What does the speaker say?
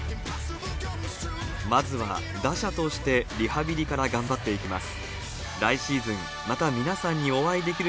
まずは打者として、リハビリから頑張っていきます。